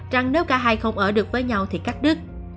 rằng nếu cả hai không ở được với nhau thì cắt đứt